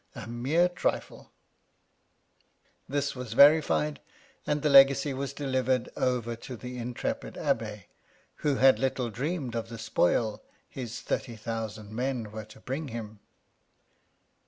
A mere trifle !" 54 Strange Wills This was verified, and the legacy was delivered over to the intrepid Abb6, who had little dreamed of the spoil his 30,000 men were to bring him.